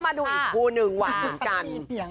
มาดูอีกครู๑ว้านกัน